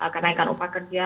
kenaikan upah kerja